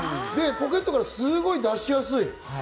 ポケットからすごく出しやすい。